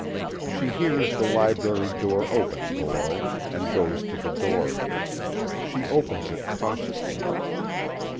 She hears the library door open below, and goes to the door. She opens it cautiously.